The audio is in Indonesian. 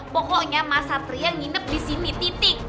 pokoknya mas satria nginep di sini titik